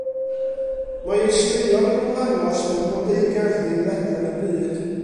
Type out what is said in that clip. Mae ei straeon yn ymddangos mewn blodeugerddi ledled y byd.